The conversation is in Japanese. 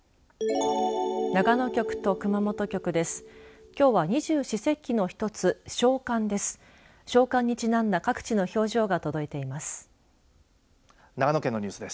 長野局と熊本局です。